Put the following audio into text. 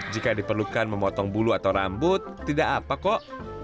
jika diperlukan memotong bulu atau rambut tidak apa kok